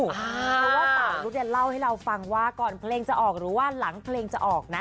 เพราะว่าสาวนุษย์เล่าให้เราฟังว่าก่อนเพลงจะออกหรือว่าหลังเพลงจะออกนะ